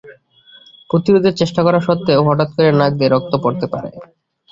প্রতিরোধের চেষ্টা করা সত্ত্বেও হঠাৎ করে নাক দিয়ে রক্ত পড়তে পারে।